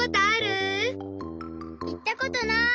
いったことない。